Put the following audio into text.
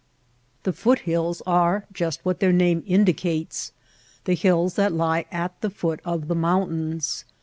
The foot hills are just what their name indi cates — the hills that lie at the foot of the moun tains.